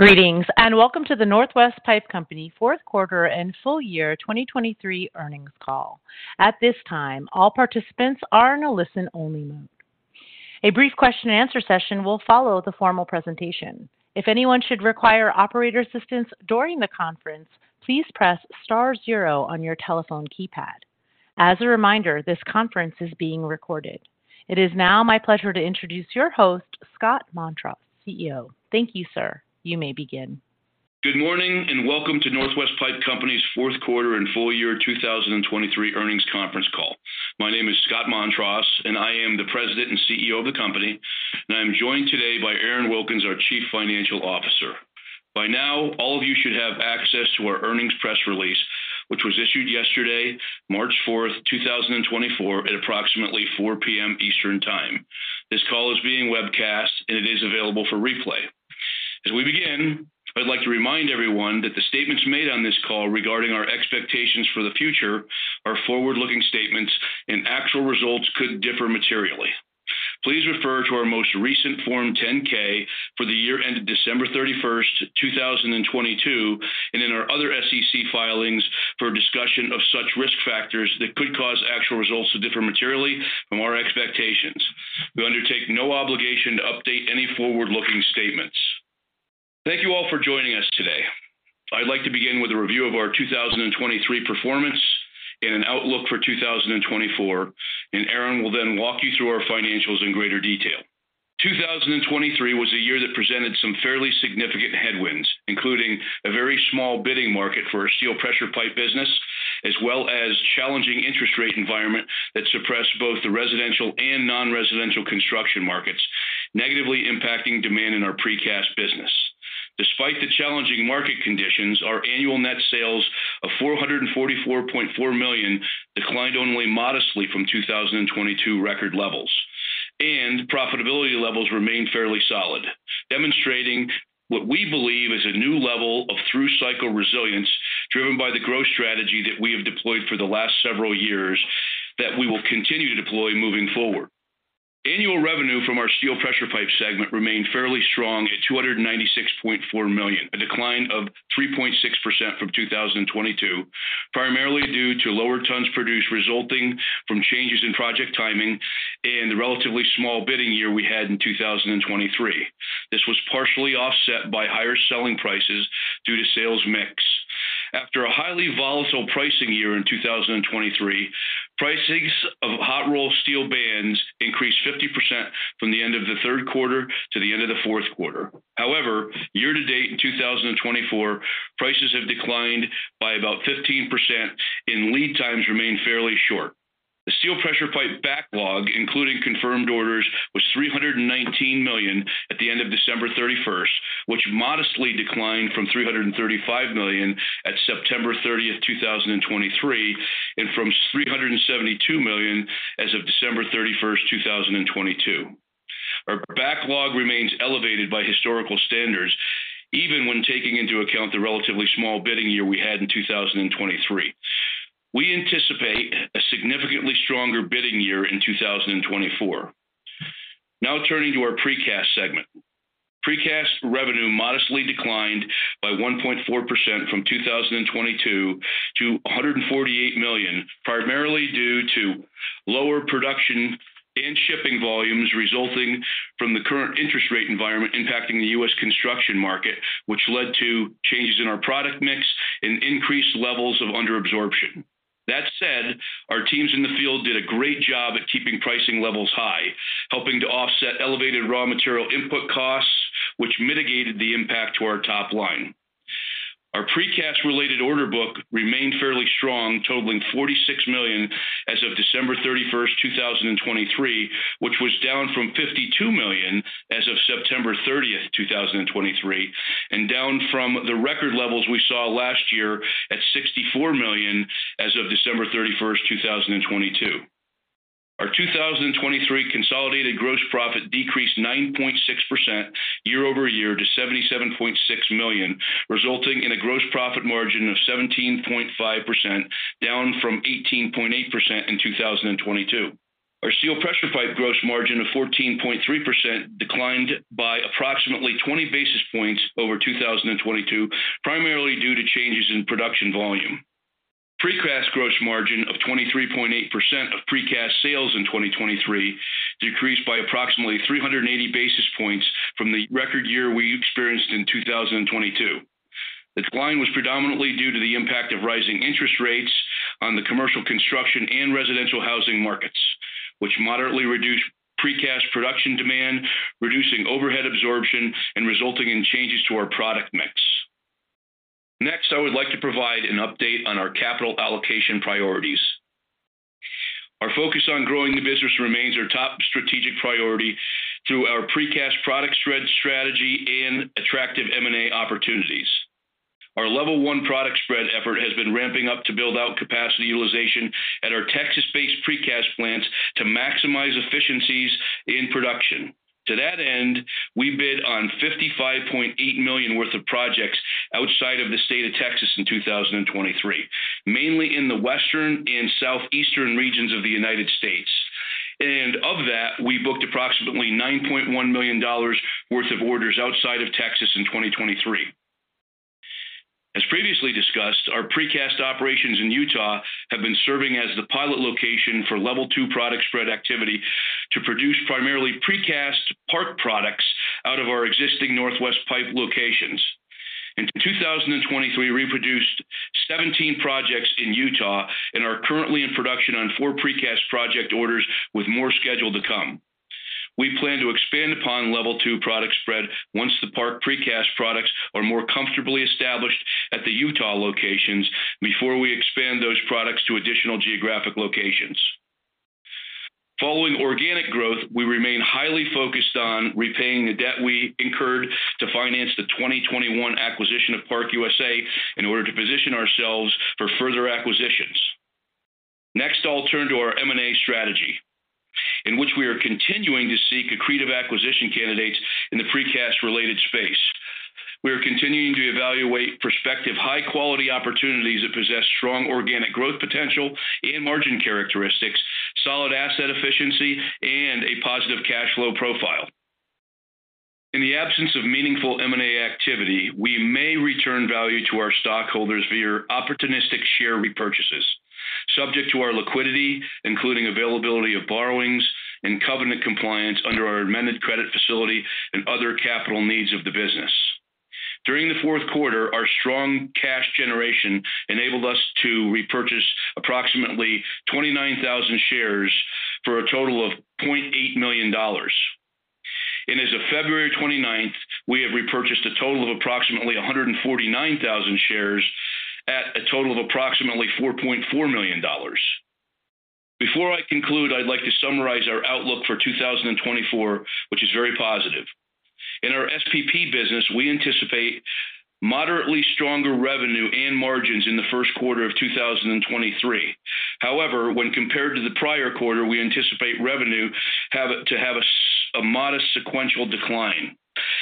Greetings, and welcome to the Northwest Pipe Company Fourth Quarter and Full Year 2023 Earnings Call. At this time, all participants are in a listen-only mode. A brief question and answer session will follow the formal presentation. If anyone should require operator assistance during the conference, please press star zero on your telephone keypad. As a reminder, this conference is being recorded. It is now my pleasure to introduce your host, Scott Montross, CEO. Thank you, sir. You may begin. Good morning, and welcome to Northwest Pipe Company's Fourth Quarter and Full Year 2023 Earnings Conference Call. My name is Scott Montross, and I am the President and CEO of the company, and I'm joined today by Aaron Wilkins, our Chief Financial Officer. By now, all of you should have access to our earnings press release, which was issued yesterday, March 4, 2024, at approximately 4 P.M. Eastern Time. This call is being webcast, and it is available for replay. As we begin, I'd like to remind everyone that the statements made on this call regarding our expectations for the future are forward-looking statements, and actual results could differ materially. Please refer to our most recent Form 10-K for the year ended December 31st, 2022, and in our other SEC filings for a discussion of such risk factors that could cause actual results to differ materially from our expectations. We undertake no obligation to update any forward-looking statements. Thank you all for joining us today. I'd like to begin with a review of our 2023 performance and an outlook for 2024, and Aaron will then walk you through our financials in greater detail. 2023 was a year that presented some fairly significant headwinds, including a very small bidding market for our Steel Pressure Pipe business, as well as challenging interest rate environment that suppressed both the residential and non-residential construction markets, negatively impacting demand in our Precast business. Despite the challenging market conditions, our annual net sales of $444.4 million declined only modestly from 2022 record levels, and profitability levels remained fairly solid, demonstrating what we believe is a new level of through-cycle resilience driven by the growth strategy that we have deployed for the last several years, that we will continue to deploy moving forward. Annual revenue from our Steel Pressure Pipe segment remained fairly strong at $296.4 million, a decline of 3.6% from 2022, primarily due to lower tons produced, resulting from changes in project timing and the relatively small bidding year we had in 2023. This was partially offset by higher selling prices due to sales mix. After a highly volatile pricing year in 2023, pricings of hot-rolled steel bands increased 50% from the end of the third quarter to the end of the fourth quarter. However, year to date, in 2024, prices have declined by about 15%, and lead times remain fairly short. The steel pressure pipe backlog, including confirmed orders, was $319 million at the end of December 31st, which modestly declined from $335 million at September 30, 2023, and from $372 million as of December 31st, 2022. Our backlog remains elevated by historical standards, even when taking into account the relatively small bidding year we had in 2023. We anticipate a significantly stronger bidding year in 2024. Now turning to our precast segment. Precast revenue modestly declined by 1.4% from 2022 to $148 million, primarily due to lower production and shipping volumes resulting from the current interest rate environment impacting the U.S. construction market, which led to changes in our product mix and increased levels of under-absorption. That said, our teams in the field did a great job at keeping pricing levels high, helping to offset elevated raw material input costs, which mitigated the impact to our top line. Our precast-related order book remained fairly strong, totaling $46 million as of December 31st, 2023, which was down from $52 million as of September 30, 2023, and down from the record levels we saw last year at $64 million as of December 31st, 2022. Our 2023 consolidated gross profit decreased 9.6% year-over-year to $77.6 million, resulting in a gross profit margin of 17.5%, down from 18.8% in 2022. Our steel pressure pipe gross margin of 14.3% declined by approximately 20 basis points over 2022, primarily due to changes in production volume. Precast gross margin of 23.8% of precast sales in 2023 decreased by approximately 380 basis points from the record year we experienced in 2022. The decline was predominantly due to the impact of rising interest rates on the commercial construction and residential housing markets, which moderately reduced precast production demand, reducing overhead absorption and resulting in changes to our product mix. Next, I would like to provide an update on our capital allocation priorities. Our focus on growing the business remains our top strategic priority through our precast product spread strategy and attractive M&A opportunities. Our Level 1 product spread effort has been ramping up to build out capacity utilization at our Texas-based precast plants to maximize efficiencies in production. To that end, we bid on $55.8 million worth of projects outside of the state of Texas in 2023, mainly in the western and southeastern regions of the United States. And of that, we booked approximately $9.1 million worth of orders outside of Texas in 2023. As previously discussed, our precast operations in Utah have been serving as the pilot location for level two product spread activity to produce primarily precast Park products out of our existing Northwest Pipe locations. In 2023, we produced 17 projects in Utah and are currently in production on four precast project orders, with more scheduled to come. We plan to expand upon Level 2 product spread once the ParkUSA precast products are more comfortably established at the Utah locations before we expand those products to additional geographic locations. Following organic growth, we remain highly focused on repaying the debt we incurred to finance the 2021 acquisition of ParkUSA in order to position ourselves for further acquisitions. Next, I'll turn to our M&A strategy, in which we are continuing to seek accretive acquisition candidates in the precast-related space. We are continuing to evaluate prospective high-quality opportunities that possess strong organic growth potential and margin characteristics, solid asset efficiency, and a positive cash flow profile. In the absence of meaningful M&A activity, we may return value to our stockholders via opportunistic share repurchases, subject to our liquidity, including availability of borrowings and covenant compliance under our amended credit facility and other capital needs of the business. During the fourth quarter, our strong cash generation enabled us to repurchase approximately 29,000 shares for a total of $0.8 million. As of February 29th, we have repurchased a total of approximately 149,000 shares at a total of approximately $4.4 million. Before I conclude, I'd like to summarize our outlook for 2024, which is very positive. In our SPP business, we anticipate moderately stronger revenue and margins in the first quarter of 2023. However, when compared to the prior quarter, we anticipate revenue to have a modest sequential decline,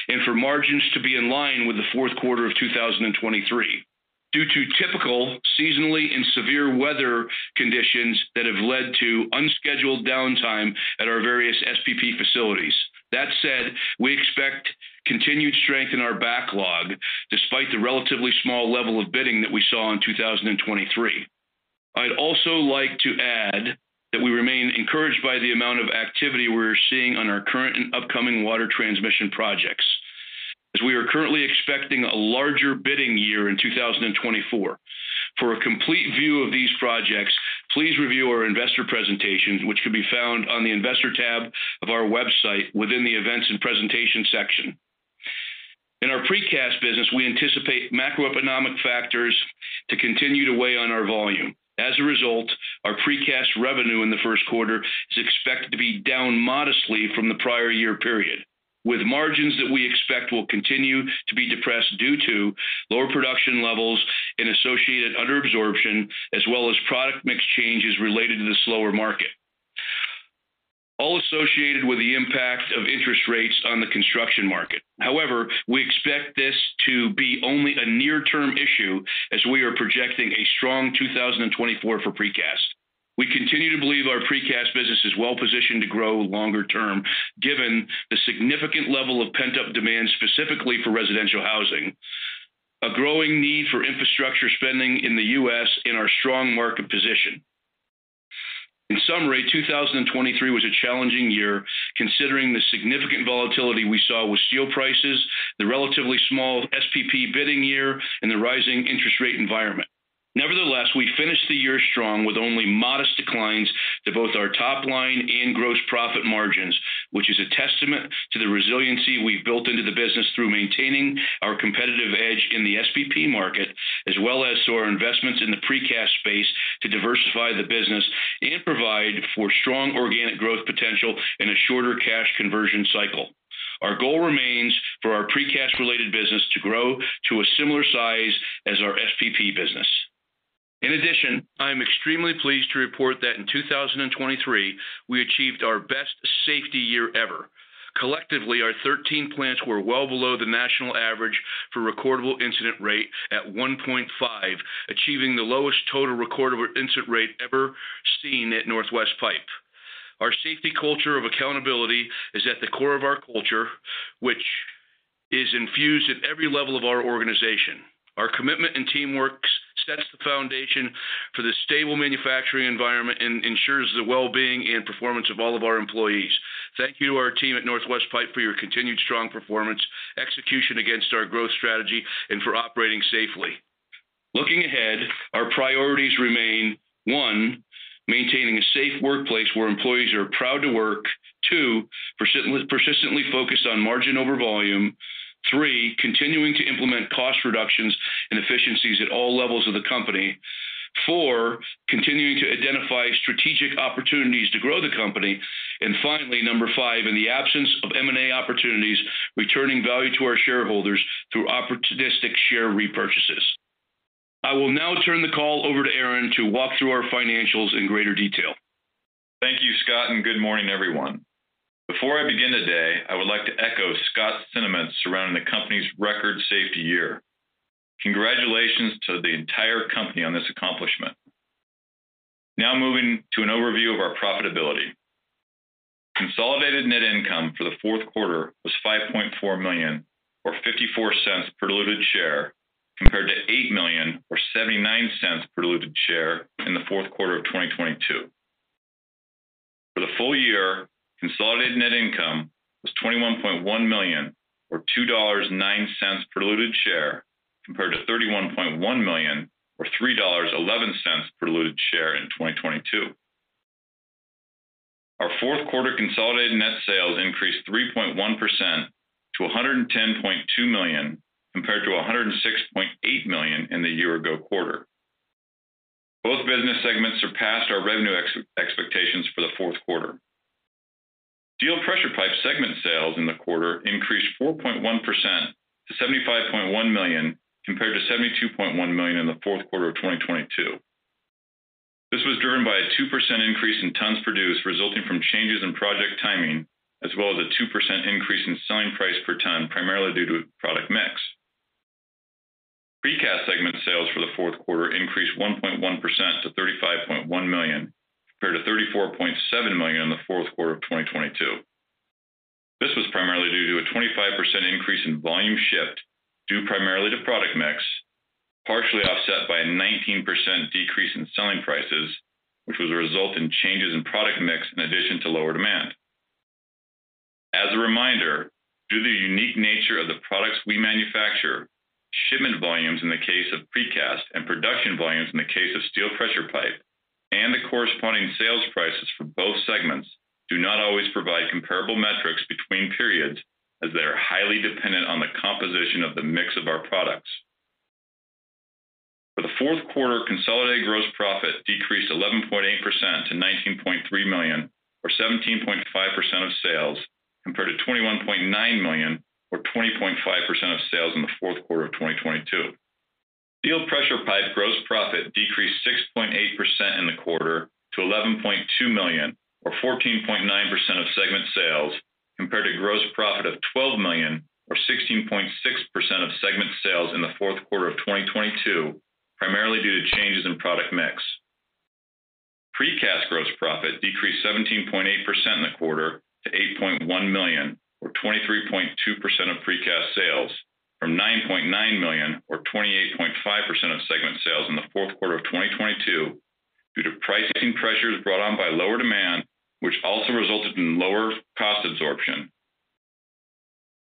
and for margins to be in line with the fourth quarter of 2023, due to typical seasonality and severe weather conditions that have led to unscheduled downtime at our various SPP facilities. That said, we expect continued strength in our backlog, despite the relatively small level of bidding that we saw in 2023. I'd also like to add that we remain encouraged by the amount of activity we're seeing on our current and upcoming water transmission projects, as we are currently expecting a larger bidding year in 2024. For a complete view of these projects, please review our investor presentation, which can be found on the Investor tab of our website within the Events and Presentation section. In our precast business, we anticipate macroeconomic factors to continue to weigh on our volume. As a result, our precast revenue in the first quarter is expected to be down modestly from the prior year period, with margins that we expect will continue to be depressed due to lower production levels and associated under-absorption, as well as product mix changes related to the slower market, all associated with the impact of interest rates on the construction market. However, we expect this to be only a near-term issue as we are projecting a strong 2024 for precast. We continue to believe our precast business is well positioned to grow longer term, given the significant level of pent-up demand, specifically for residential housing, a growing need for infrastructure spending in the U.S., and our strong market position. In summary, 2023 was a challenging year, considering the significant volatility we saw with steel prices, the relatively small SPP bidding year, and the rising interest rate environment. Nevertheless, we finished the year strong, with only modest declines to both our top line and gross profit margins, which is a testament to the resiliency we've built into the business through maintaining our competitive edge in the SPP market, as well as to our investments in the precast space to diversify the business and provide for strong organic growth potential and a shorter cash conversion cycle. Our goal remains for our precast-related business to grow to a similar size as our SPP business. In addition, I am extremely pleased to report that in 2023, we achieved our best safety year ever. Collectively, our 13 plants were well below the national average for recordable incident rate at 1.5, achieving the lowest total recordable incident rate ever seen at Northwest Pipe. Our safety culture of accountability is at the core of our culture, which is infused at every level of our organization. Our commitment and teamwork sets the foundation for the stable manufacturing environment and ensures the well-being and performance of all of our employees. Thank you to our team at Northwest Pipe for your continued strong performance, execution against our growth strategy, and for operating safely. Looking ahead, our priorities remain, one, maintaining a safe workplace where employees are proud to work. Two, persistently focused on margin over volume. Three, continuing to implement cost reductions and efficiencies at all levels of the company. Four, continuing to identify strategic opportunities to grow the company. Finally, number five, in the absence of M&A opportunities, returning value to our shareholders through opportunistic share repurchases. I will now turn the call over to Aaron to walk through our financials in greater detail. Thank you, Scott, and good morning, everyone. Before I begin the day, I would like to echo Scott's sentiments surrounding the company's record safety year. Congratulations to the entire company on this accomplishment. Now moving to an overview of our profitability. Consolidated net income for the fourth quarter was $5.4 million, or $0.54 per diluted share, compared to $8 million or $0.79 per diluted share in the fourth quarter of 2022. For the full year, consolidated net income was $21.1 million, or $2.09 per diluted share, compared to $31.1 million or $3.11 per diluted share in 2022. Our fourth quarter consolidated net sales increased 3.1% to $110.2 million, compared to $106.8 million in the year ago quarter. Both business segments surpassed our revenue expectations for the fourth quarter. Steel Pressure Pipe segment sales in the quarter increased 4.1% to $75.1 million, compared to $72.1 million in the fourth quarter of 2022. This was driven by a 2% increase in tons produced, resulting from changes in project timing, as well as a 2% increase in selling price per ton, primarily due to product mix. Precast segment sales for the fourth quarter increased 1.1% to $35.1 million, compared to $34.7 million in the fourth quarter of 2022. This was primarily due to a 25% increase in volume shipped, due primarily to product mix, partially offset by a 19% decrease in selling prices, which was a result of changes in product mix in addition to lower demand. As a reminder, due to the unique nature of the products we manufacture, shipment volumes in the case of Precast and production volumes in the case of Steel Pressure Pipe, and the corresponding sales prices for both segments, do not always provide comparable metrics between periods, as they are highly dependent on the composition of the mix of our products. For the fourth quarter, consolidated gross profit decreased 11.8% to $19.3 million, or 17.5% of sales, compared to $21.9 million or 20.5% of sales in the fourth quarter of 2022. Steel Pressure Pipe gross profit decreased 6.8% in the quarter to $11.2 million, or 14.9% of segment sales, compared to gross profit of $12 million or 16.6% of segment sales in the fourth quarter of 2022, primarily due to changes in product mix. Precast gross profit decreased 17.8% in the quarter to $8.1 million or 23.2% of Precast sales, from $9.9 million or 28.5% of segment sales in the fourth quarter of 2022, due to pricing pressures brought on by lower demand, which also resulted in lower cost absorption.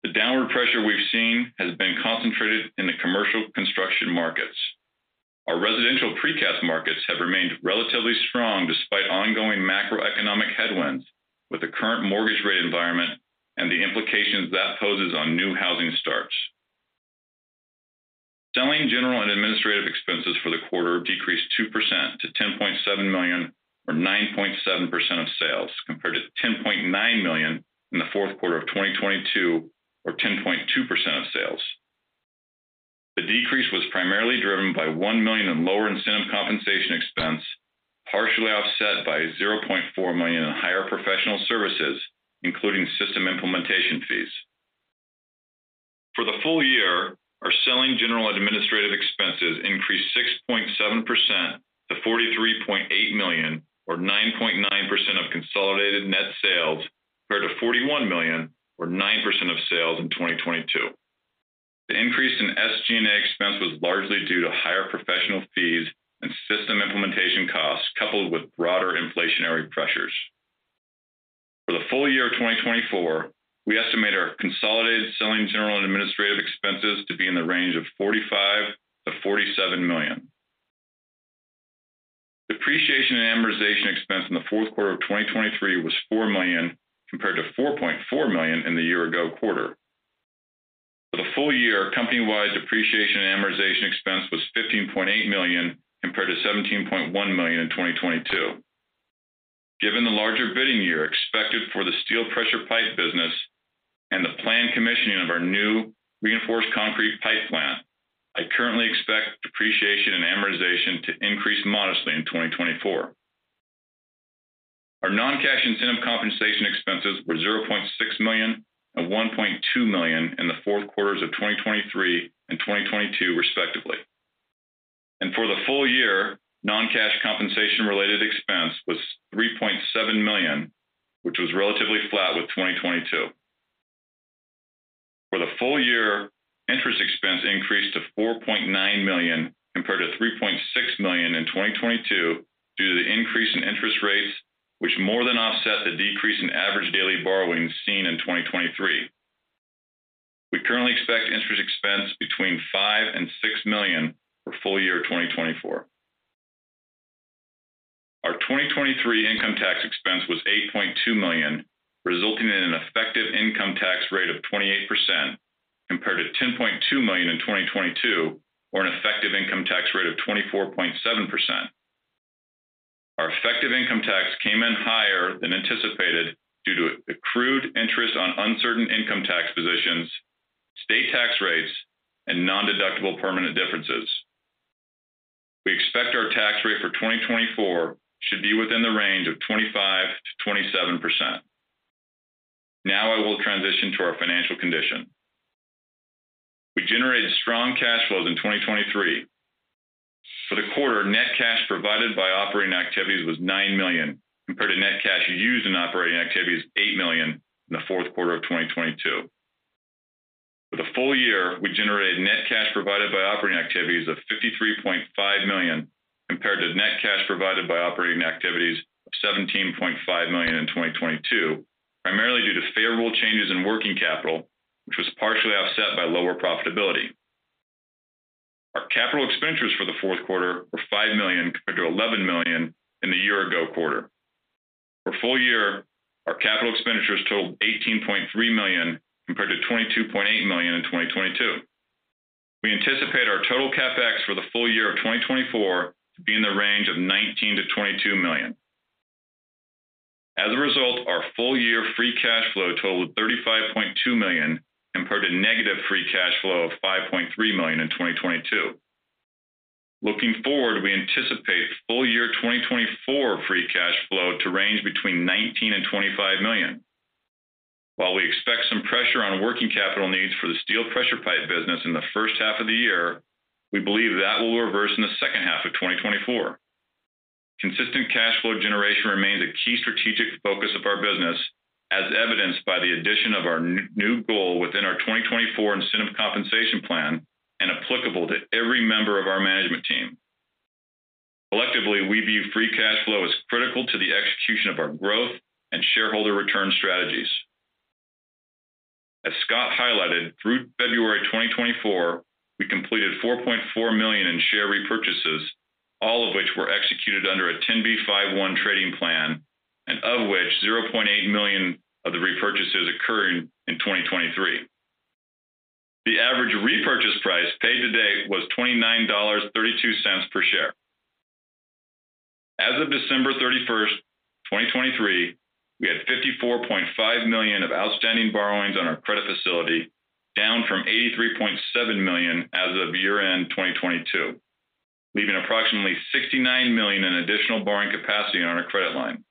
The downward pressure we've seen has been concentrated in the commercial construction markets. Our residential Precast markets have remained relatively strong despite ongoing macroeconomic headwinds, with the current mortgage rate environment and the implications that poses on new housing starts. Selling, general, and administrative expenses for the quarter decreased 2% to $10.7 million or 9.7% of sales, compared to $10.9 million in the fourth quarter of 2022, or 10.2% of sales. The decrease was primarily driven by $1 million in lower incentive compensation expense, partially offset by $0.4 million in higher professional services, including system implementation fees. For the full year, our selling, general, and administrative expenses increased 6.7% to $43.8 million or 9.9% of consolidated net sales, compared to $41 million or 9% of sales in 2022. The increase in SG&A expense was largely due to higher professional fees and system implementation costs, coupled with broader inflationary pressures. For the full year of 2024, we estimate our consolidated selling, general, and administrative expenses to be in the range of $45 million-$47 million. Depreciation and amortization expense in the fourth quarter of 2023 was $4 million, compared to $4.4 million in the year ago quarter. For the full year, company-wide depreciation and amortization expense was $15.8 million, compared to $17.1 million in 2022. Given the larger bidding year expected for the Steel Pressure Pipe business and the planned commissioning of our new reinforced concrete pipe plant, I currently expect depreciation and amortization to increase modestly in 2024. Our non-cash incentive compensation expenses were $0.6 million and $1.2 million in the fourth quarters of 2023 and 2022, respectively. For the full year, non-cash compensation-related expense was $3.7 million, which was relatively flat with 2022. For the full year, interest expense increased to $4.9 million, compared to $3.6 million in 2022, due to the increase in interest rates, which more than offset the decrease in average daily borrowings seen in 2023. We currently expect interest expense between $5 million-$6 million for full year 2024. Our 2023 income tax expense was $8.2 million, resulting in an effective income tax rate of 28%, compared to $10.2 million in 2022, or an effective income tax rate of 24.7%. Our effective income tax came in higher than anticipated due to accrued interest on uncertain income tax positions, state tax rates, and nondeductible permanent differences. For 2024 should be within the range of 25%-27%. Now I will transition to our financial condition. We generated strong cash flows in 2023. For the quarter, net cash provided by operating activities was $9 million, compared to net cash used in operating activities $8 million in the fourth quarter of 2022. For the full year, we generated net cash provided by operating activities of $53.5 million, compared to net cash provided by operating activities of $17.5 million in 2022, primarily due to favorable changes in working capital, which was partially offset by lower profitability. Our capital expenditures for the fourth quarter were $5 million, compared to $11 million in the year ago quarter. For full year, our capital expenditures totaled $18.3 million, compared to $22.8 million in 2022. We anticipate our total CapEx for the full year of 2024 to be in the range of $19 million-$22 million. As a result, our full year free cash flow totaled $35.2 million, compared to negative free cash flow of $5.3 million in 2022. Looking forward, we anticipate full year 2024 free cash flow to range between $19 million and $25 million. While we expect some pressure on working capital needs for the Steel Pressure Pipe business in the first half of the year, we believe that will reverse in the second half of 2024. Consistent cash flow generation remains a key strategic focus of our business, as evidenced by the addition of our new goal within our 2024 incentive compensation plan and applicable to every member of our management team. Collectively, we view free cash flow as critical to the execution of our growth and shareholder return strategies. As Scott highlighted, through February 2024, we completed $4.4 million in share repurchases, all of which were executed under a 10b5-1 trading plan, and of which $0.8 million of the repurchases occurred in 2023. The average repurchase price paid to date was $29.32 per share. As of December 31st, 2023, we had $54.5 million of outstanding borrowings on our credit facility, down from $83.7 million as of year-end 2022, leaving approximately $69 million in additional borrowing capacity on our credit line.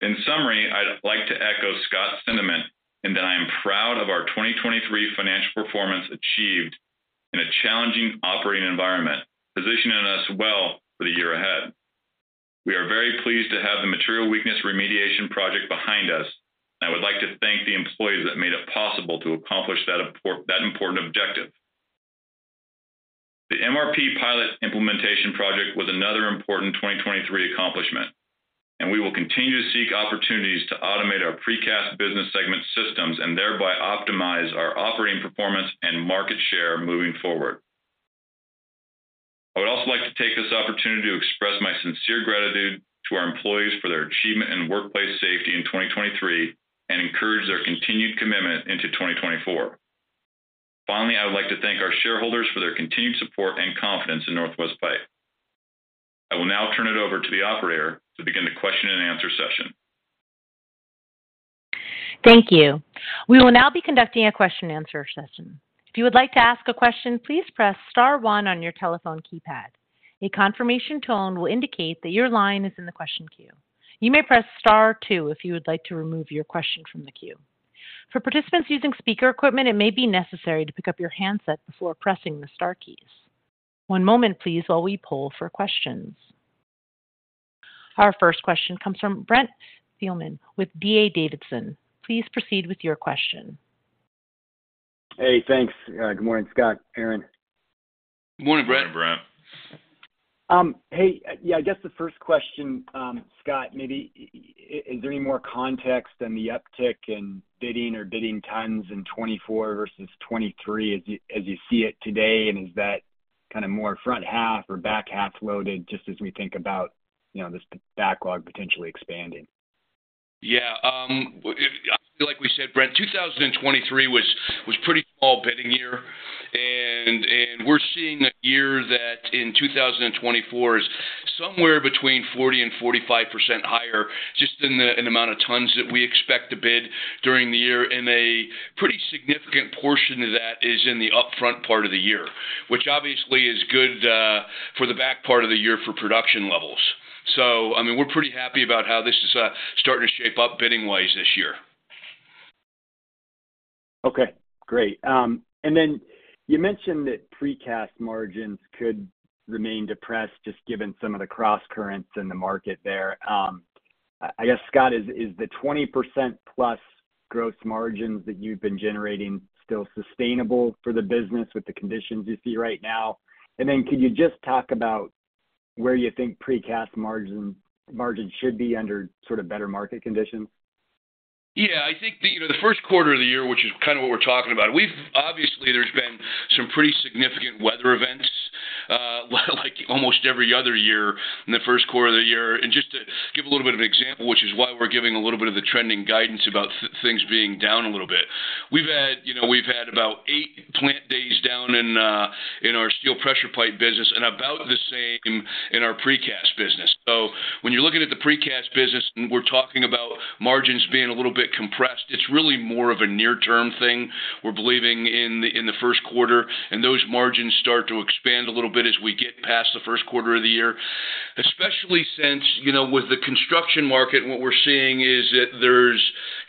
In summary, I'd like to echo Scott's sentiment, in that I am proud of our 2023 financial performance achieved in a challenging operating environment, positioning us well for the year ahead. We are very pleased to have the material weakness remediation project behind us, and I would like to thank the employees that made it possible to accomplish that important objective. The MRP pilot implementation project was another important 2023 accomplishment, and we will continue to seek opportunities to automate our precast business segment systems and thereby optimize our operating performance and market share moving forward. I would also like to take this opportunity to express my sincere gratitude to our employees for their achievement in workplace safety in 2023 and encourage their continued commitment into 2024. Finally, I would like to thank our shareholders for their continued support and confidence in Northwest Pipe. I will now turn it over to the operator to begin the question and answer session. Thank you. We will now be conducting a question and answer session. If you would like to ask a question, please press star one on your telephone keypad. A confirmation tone will indicate that your line is in the question queue. You may press star two if you would like to remove your question from the queue. For participants using speaker equipment, it may be necessary to pick up your handset before pressing the star keys. One moment, please, while we poll for questions. Our first question comes from Brent Thielman with D.A. Davidson. Please proceed with your question. Hey, thanks. Good morning, Scott, Aaron. Good morning, Brent. Morning, Brent. Hey, yeah, I guess the first question, Scott, maybe is there any more context in the uptick in bidding or bidding tons in 2024 versus 2023 as you, as you see it today? Is that kind of more front half or back half loaded, just as we think about, you know, this backlog potentially expanding? Yeah, like we said, Brent, 2023 was pretty small bidding year. And we're seeing a year that in 2024 is somewhere between 40%-45% higher, just in the amount of tons that we expect to bid during the year. And a pretty significant portion of that is in the upfront part of the year, which obviously is good for the back part of the year for production levels. So, I mean, we're pretty happy about how this is starting to shape up bidding-wise this year. Okay, great. And then you mentioned that precast margins could remain depressed, just given some of the crosscurrents in the market there. I guess, Scott, is the 20%+ gross margins that you've been generating still sustainable for the business with the conditions you see right now? And then, can you just talk about where you think precast margins should be under sort of better market conditions? Yeah, I think the, you know, the first quarter of the year, which is kind of what we're talking about, we've obviously, there's been some pretty significant weather events, like almost every other year in the first quarter of the year. And just to give a little bit of an example, which is why we're giving a little bit of the trending guidance about things being down a little bit. We've had, you know, we've had about eight plant days in our Steel Pressure Pipe business and about the same in our Precast business. So when you're looking at the Precast business, and we're talking about margins being a little bit compressed, it's really more of a near-term thing. We're believing in the first quarter, and those margins start to expand a little bit as we get past the first quarter of the year. Especially since, you know, with the construction market, what we're seeing is that there's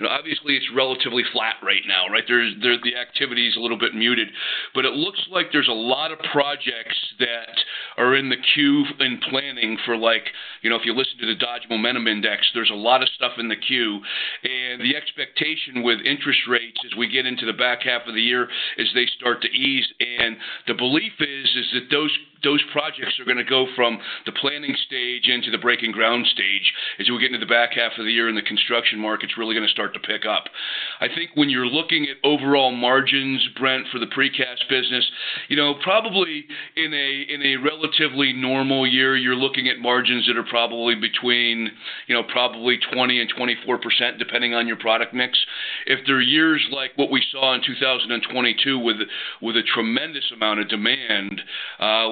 obviously, it's relatively flat right now, right? There's the activity is a little bit muted. But it looks like there's a lot of projects that are in the queue and planning for, like, you know, if you listen to the Dodge Momentum Index, there's a lot of stuff in the queue. The expectation with interest rates as we get into the back half of the year is they start to ease. The belief is that those projects are going to go from the planning stage into the breaking ground stage as we get into the back half of the year, and the construction market's really going to start to pick up. I think when you're looking at overall margins, Brent, for the precast business, you know, probably in a relatively normal year, you're looking at margins that are probably between, you know, probably 20% and 24%, depending on your product mix. If there are years like what we saw in 2022, with a tremendous amount of demand,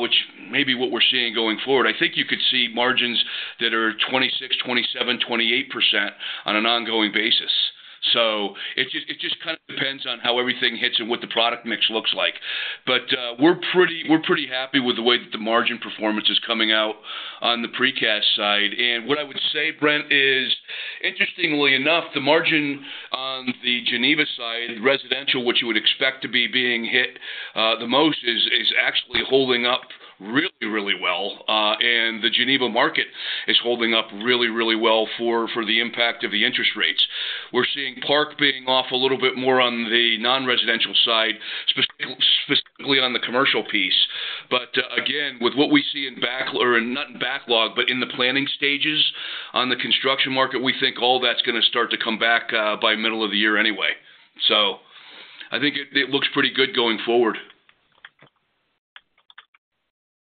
which may be what we're seeing going forward, I think you could see margins that are 26%, 27%, 28% on an ongoing basis. So it just kind of depends on how everything hits and what the product mix looks like. But, we're pretty happy with the way that the margin performance is coming out on the precast side. And what I would say, Brent, is interestingly enough, the margin on the Geneva side, residential, which you would expect to be being hit the most, is actually holding up really, really well. And the Geneva market is holding up really, really well for the impact of the interest rates. We're seeing Park being off a little bit more on the non-residential side, specifically on the commercial piece. But again, with what we see in back or not in backlog, but in the planning stages on the construction market, we think all that's going to start to come back by middle of the year anyway. So I think it looks pretty good going forward.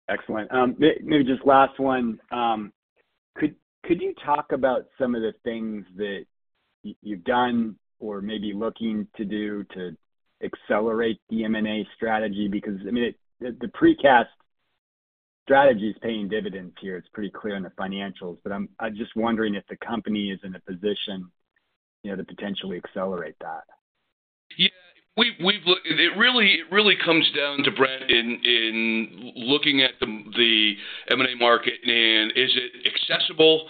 Excellent. Maybe just last one. Could you talk about some of the things that you've done or maybe looking to do to accelerate the M&A strategy? Because, I mean, it, the Precast strategy is paying dividends here. It's pretty clear in the financials, but I'm just wondering if the company is in a position, you know, to potentially accelerate that. Yeah, we've looked, it really comes down to, Brent, in looking at the M&A market, and is it accessible,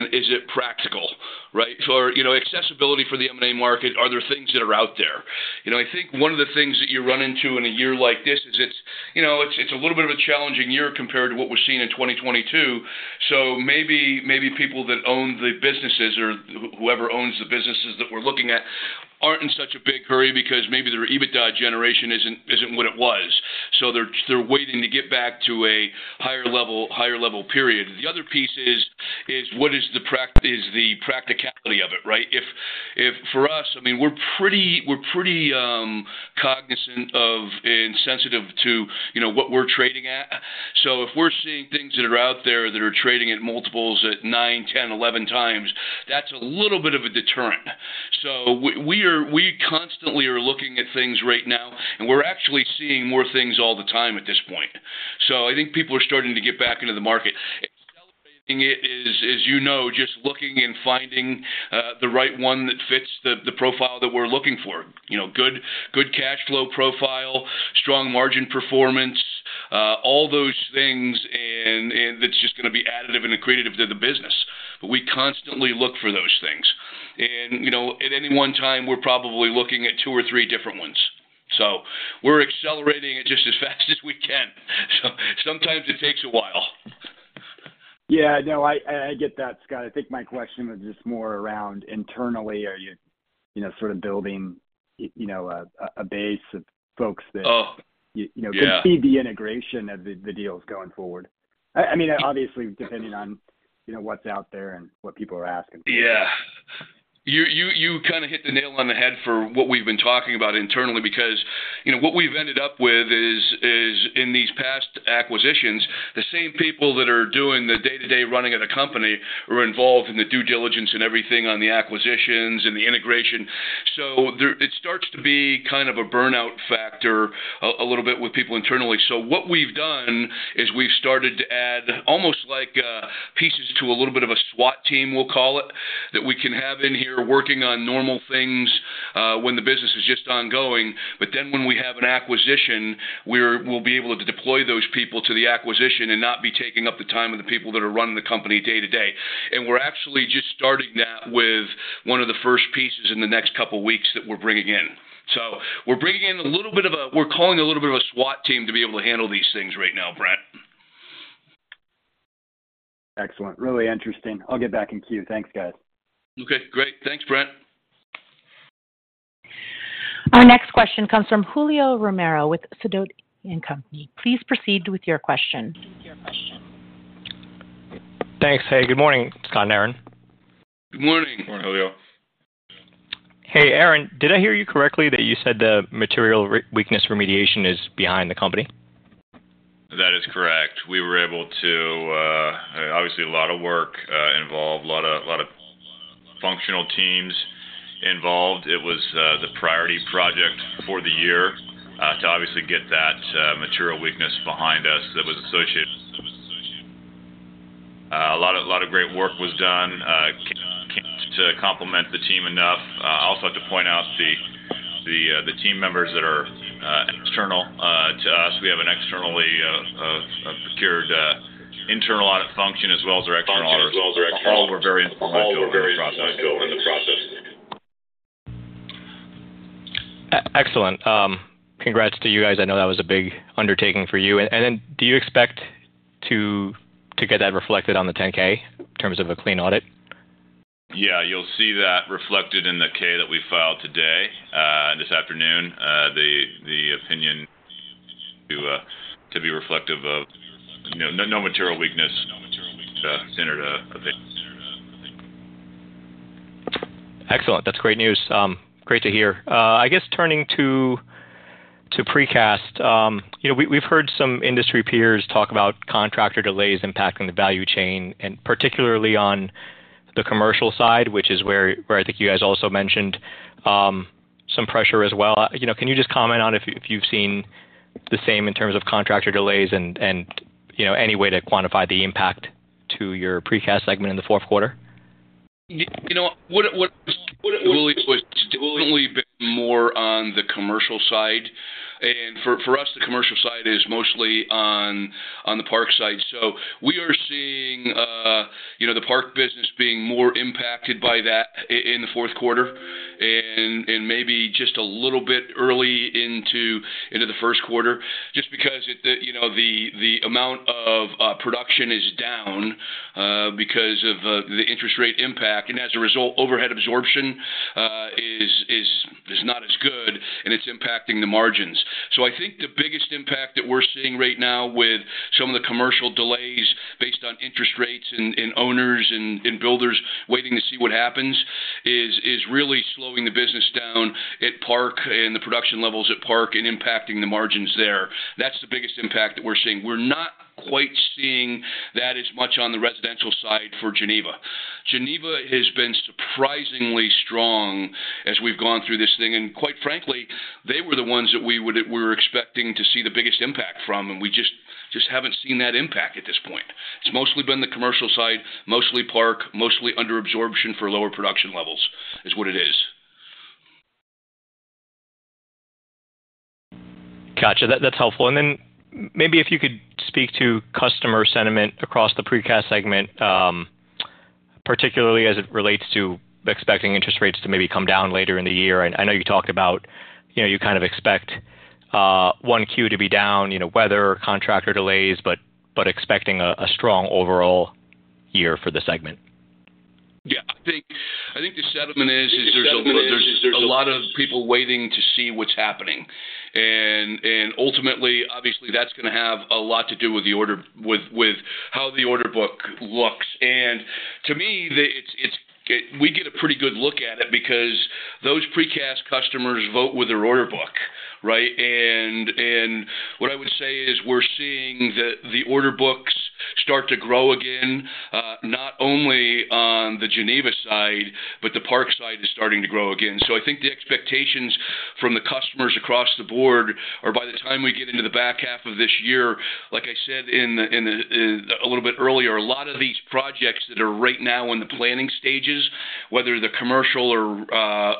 and is it practical, right? So, you know, accessibility for the M&A market, are there things that are out there? You know, I think one of the things that you run into in a year like this is it's a little bit of a challenging year compared to what we're seeing in 2022. So maybe people that own the businesses or whoever owns the businesses that we're looking at aren't in such a big hurry because maybe their EBITDA generation isn't what it was. So they're waiting to get back to a higher level, higher level period. The other piece is what is the practicality of it, right? If for us, I mean, we're pretty, um, cognizant of and sensitive to, you know, what we're trading at. So if we're seeing things that are out there that are trading at multiples at 9x, 10x, 11x, that's a little bit of a deterrent. So we constantly are looking at things right now, and we're actually seeing more things all the time at this point. So I think people are starting to get back into the market. Accelerating it is, as you know, just looking and finding the right one that fits the profile that we're looking for. You know, good cash flow profile, strong margin performance, all those things, and that's just going to be additive and accretive to the business. But we constantly look for those things. You know, at any one time, we're probably looking at two or three different ones. So we're accelerating it just as fast as we can. So sometimes it takes a while. Yeah, no, I get that, Scott. I think my question was just more around internally, are you, you know, sort of building, you know, a base of folks that. Oh, yeah You know, could see the integration of the deals going forward? I mean, obviously, depending on, you know, what's out there and what people are asking for. Yeah. You kind of hit the nail on the head for what we've been talking about internally, because, you know, what we've ended up with is in these past acquisitions, the same people that are doing the day-to-day running of the company are involved in the due diligence and everything on the acquisitions and the integration. So there it starts to be kind of a burnout factor a little bit with people internally. So what we've done is we've started to add almost like, pieces to a little bit of a SWAT team, we'll call it, that we can have in here working on normal things, when the business is just ongoing. But then when we have an acquisition, we're, we'll be able to deploy those people to the acquisition and not be taking up the time of the people that are running the company day to day. And we're actually just starting that with one of the first pieces in the next couple of weeks that we're bringing in. So we're bringing in a little bit of a, we're calling a little bit of a SWAT team to be able to handle these things right now, Brent. Excellent. Really interesting. I'll get back in queue. Thanks, guys. Okay, great. Thanks, Brent. Our next question comes from Julio Romero with Sidoti & Company. Please proceed with your question. Thanks. Hey, good morning, Scott and Aaron. Good morning. Good morning, Julio. Hey, Aaron, did I hear you correctly that you said the Material Weakness remediation is behind the company? That is correct. We were able to, obviously, a lot of work involved, a lot of functional teams involved. It was the priority project for the year to obviously get that material weakness behind us that was associated. A lot of great work was done. I can't compliment the team enough. I also have to point out the team members that are external to us. We have an externally secured internal audit function as well as our external auditors. All were very instrumental in the process. Excellent. Congrats to you guys. I know that was a big undertaking for you. And then do you expect to get that reflected on the 10-K in terms of a clean audit? Yeah, you'll see that reflected in the 10-K that we filed today, this afternoon. The opinion to be reflective of, you know, no material weakness entered. Excellent. That's great news. Great to hear. I guess turning to precast, you know, we've heard some industry peers talk about contractor delays impacting the value chain, and particularly on the commercial side, which is where I think you guys also mentioned some pressure as well. You know, can you just comment on if you've seen the same in terms of contractor delays and you know, any way to quantify the impact to your Precast segment in the fourth quarter? You know, it's only been more on the commercial side. And for us, the commercial side is mostly on the Park side. So we are seeing, you know, the Park business being more impacted by that in the fourth quarter and maybe just a little bit early into the first quarter. Just because, you know, the amount of production is down because of the interest rate impact. And as a result, overhead absorption is not as good, and it's impacting the margins. So I think the biggest impact that we're seeing right now with some of the commercial delays based on interest rates and owners and builders waiting to see what happens is really slowing the business down at Park and the production levels at Park and impacting the margins there. That's the biggest impact that we're seeing. We're not quite seeing that as much on the residential side for Geneva. Geneva has been surprisingly strong as we've gone through this thing, and quite frankly, they were the ones that we were expecting to see the biggest impact from, and we just haven't seen that impact at this point. It's mostly been the commercial side, mostly Park, mostly under absorption for lower production levels, is what it is. Gotcha. That's helpful. Then maybe if you could speak to customer sentiment across the Precast segment, particularly as it relates to expecting interest rates to maybe come down later in the year. I know you talked about, you know, you kind of expect 1Q to be down, you know, weather, contractor delays, but expecting a strong overall year for the segment. Yeah. I think the settlement is there's a lot of people waiting to see what's happening. And ultimately, obviously, that's gonna have a lot to do with the order with how the order book looks. And to me, it's we get a pretty good look at it because those precast customers vote with their order book, right? And what I would say is we're seeing the order books start to grow again, not only on the Geneva side, but the Park side is starting to grow again. So I think the expectations from the customers across the board are by the time we get into the back half of this year, like I said a little bit earlier, a lot of these projects that are right now in the planning stages, whether they're commercial or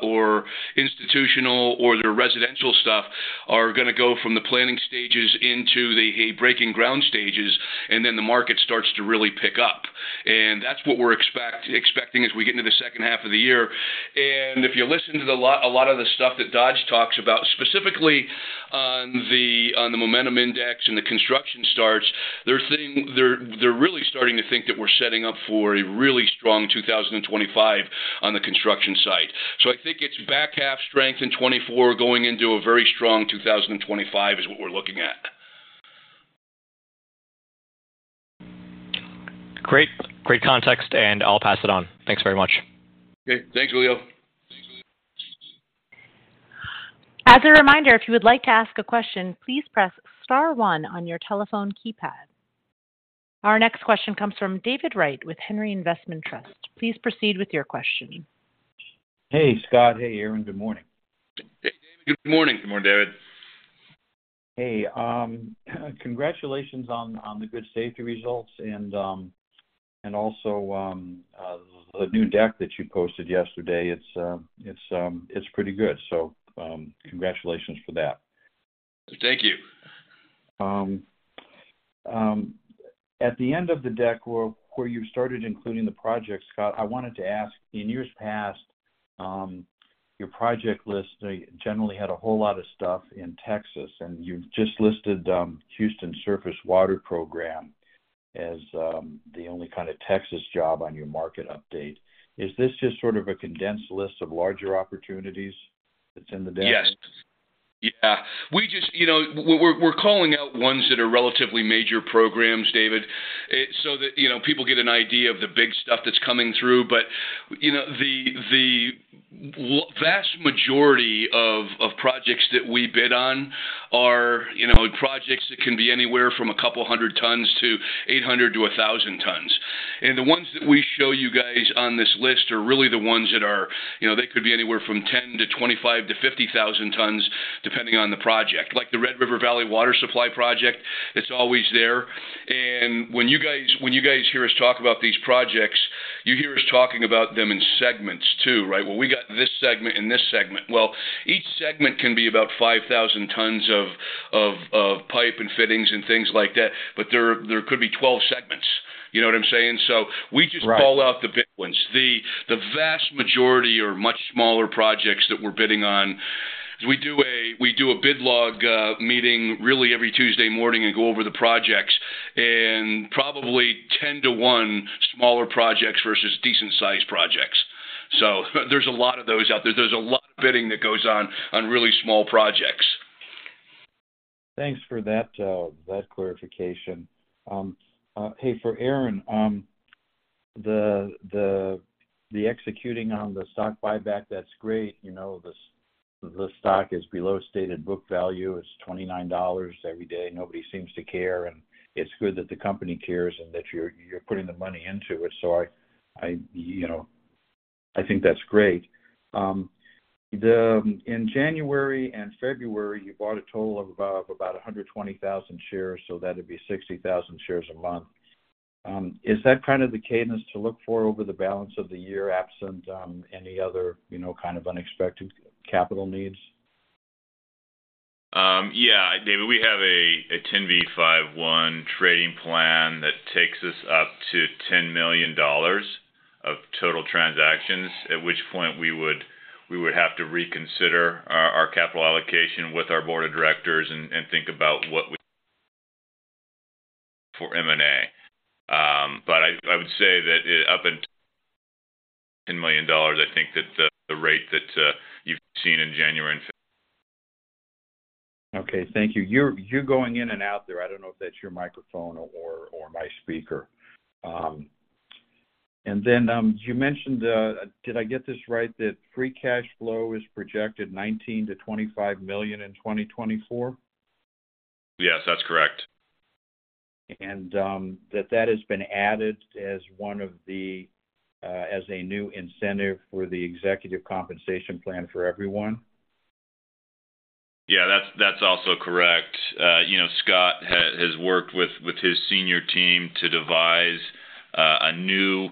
or institutional or they're residential stuff, are gonna go from the planning stages into the breaking ground stages, and then the market starts to really pick up. And that's what we're expecting as we get into the second half of the year. And if you listen to a lot of the stuff that Dodge talks about, specifically on the Momentum Index and the construction starts, they're thinking they're really starting to think that we're setting up for a really strong 2025 on the construction site. So I think it's back half strength in 2024, going into a very strong 2025, is what we're looking at. Great. Great context, and I'll pass it on. Thanks very much. Okay. Thanks, Julio. As a reminder, if you would like to ask a question, please press star one on your telephone keypad. Our next question comes from David Wright with Henry Investment Trust. Please proceed with your question. Hey, Scott. Hey, Aaron. Good morning. Good morning. Good morning, David. Hey, congratulations on the good safety results and also the new deck that you posted yesterday. It's pretty good. So, congratulations for that. Thank you. At the end of the deck, where you started including the project, Scott, I wanted to ask, in years past, your project list generally had a whole lot of stuff in Texas, and you just listed Houston Surface Water Program as the only kind of Texas job on your market update. Is this just sort of a condensed list of larger opportunities that's in the deck? Yes. Yeah. We just, you know, we're calling out ones that are relatively major programs, David. So that, you know, people get an idea of the big stuff that's coming through. But, you know, the vast majority of projects that we bid on are, you know, projects that can be anywhere from 200 tons to 800 tons to 1,000 tons. And the ones that we show you guys on this list are really the ones that are, you know, they could be anywhere from 10,000 tons to 25,000 tons to 50,000 tons, depending on the project. Like the Red River Valley Water Supply Project, it's always there. And when you guys hear us talk about these projects, you hear us talking about them in segments too, right? Well, we got this segment and this segment. Well, each segment can be about 5,000 tons of pipe and fittings and things like that, but there could be 12 segments. You know what I'm saying? So. Right. We just call out the big ones. The vast majority are much smaller projects that we're bidding on. We do a bid log meeting really every Tuesday morning and go over the projects, and probably 10 to one, smaller projects versus decent-sized projects. So there's a lot of those out there. There's a lot of bidding that goes on on really small projects. Thanks for that, that clarification. Hey, for Aaron, the executing on the stock buyback, that's great. You know, the stock is below stated book value. It's $29 every day, nobody seems to care, and it's good that the company cares and that you're putting the money into it. So, you know, I think that's great. In January and February, you bought a total of about 120,000 shares, so that'd be 60,000 shares a month. Is that kind of the cadence to look for over the balance of the year, absent any other, you know, kind of unexpected capital needs? Yeah, David, we have a 10b5-1 trading plan that takes us up to $10 million of total transactions, at which point we would have to reconsider our capital allocation with our board of directors and think about what we, for M&A. But I would say that up until $10 million, I think that the rate that you've seen in January and February. Okay, thank you. You're going in and out there. I don't know if that's your microphone or my speaker. And then, you mentioned, did I get this right, that Free Cash Flow is projected $19 million-$25 million in 2024? Yes, that's correct. And, that has been added as one of the, as a new incentive for the executive compensation plan for everyone? Yeah, that's also correct. You know, Scott has worked with his senior team to devise a new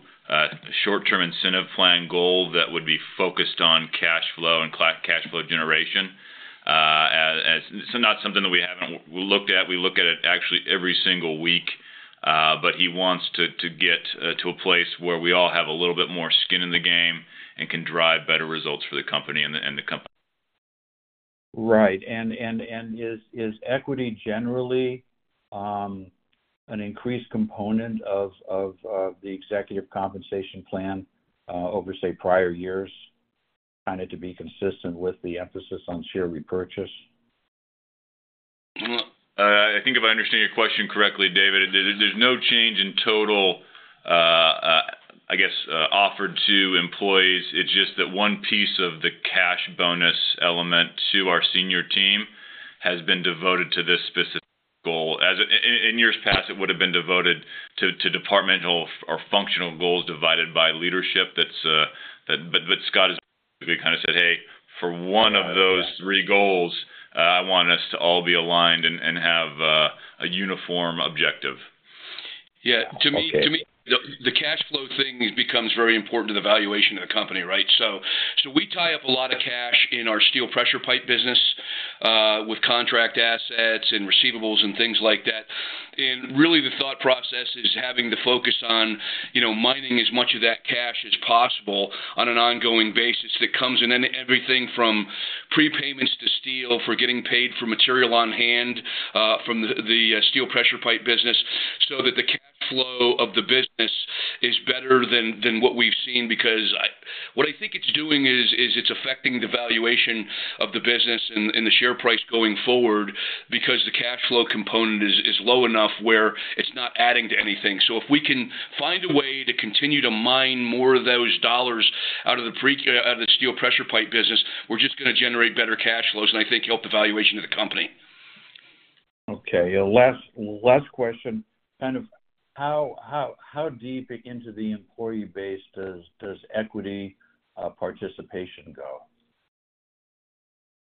short-term incentive plan goal that would be focused on cash flow and cash flow generation. It's not something that we haven't looked at. We look at it actually every single week, but he wants to get to a place where we all have a little bit more skin in the game and can drive better results for the company and the comp- Right. And is equity generally an increased component of the executive compensation plan over, say, prior years, kind of to be consistent with the emphasis on share repurchase? I think if I understand your question correctly, David, there's no change in total, I guess, offered to employees. It's just that one piece of the cash bonus element to our senior team has been devoted to this specific goal. As in years past, it would've been devoted to departmental or functional goals divided by leadership. That's but Scott has kind of said, "hey, for one of those three goals, I want us to all be aligned and have a uniform objective. Yeah. Okay. To me, the cash flow thing becomes very important to the valuation of the company, right? So we tie up a lot of cash in our Steel Pressure Pipe business with contract assets and receivables and things like that. And really, the thought process is having the focus on, you know, mining as much of that cash as possible on an ongoing basis. That comes in everything from prepayments to steel for getting paid for material on hand from the Steel Pressure Pipe business, so that the cash flow of the business is better than what we've seen. Because what I think it's doing is it's affecting the valuation of the business and the share price going forward, because the cash flow component is low enough where it's not adding to anything. So if we can find a way to continue to mine more of those dollars out of the Steel Pressure Pipe business, we're just gonna generate better cash flows, and I think help the valuation of the company. Okay, last question. Kind of how deep into the employee base does equity participation go?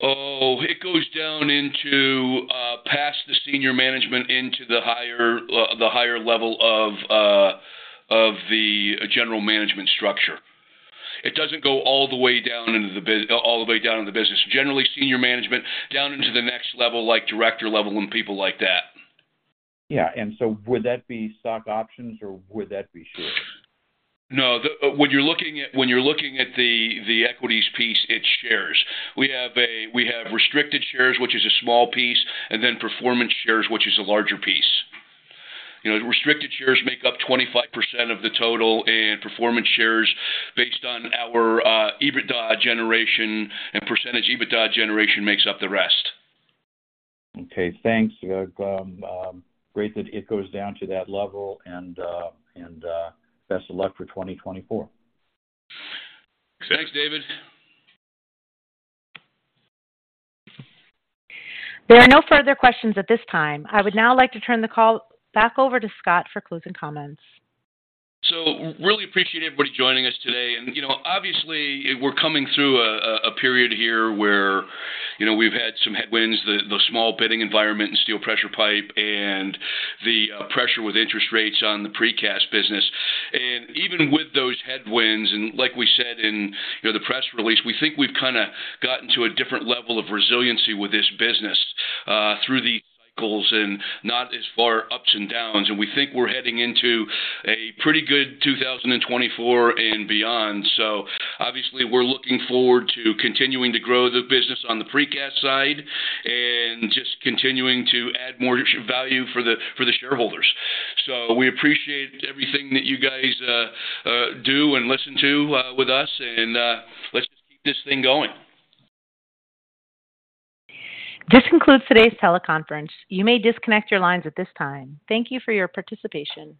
Oh, it goes down into past the senior management into the higher level of the general management structure. It doesn't go all the way down in the business. Generally, senior management down into the next level, like director level and people like that. Yeah, and so would that be stock options, or would that be shares? No, the. When you're looking at the equities piece, it's shares. We have restricted shares, which is a small piece, and then performance shares, which is a larger piece. You know, the restricted shares make up 25% of the total, and performance shares based on our EBITDA generation and percentage EBITDA generation makes up the rest. Okay, thanks. Great that it goes down to that level and best of luck for 2024. Thanks, David. There are no further questions at this time. I would now like to turn the call back over to Scott for closing comments. So really appreciate everybody joining us today. And, you know, obviously, we're coming through a period here where, you know, we've had some headwinds. The small bidding environment in steel pressure pipe and the pressure with interest rates on the precast business. And even with those headwinds, and like we said in, you know, the press release, we think we've kind of gotten to a different level of resiliency with this business through the cycles and not as far ups and downs. And we think we're heading into a pretty good 2024 and beyond. So obviously, we're looking forward to continuing to grow the business on the precast side and just continuing to add more value for the shareholders. So we appreciate everything that you guys do and listen to with us, and let's just keep this thing going. This concludes today's teleconference. You may disconnect your lines at this time. Thank you for your participation.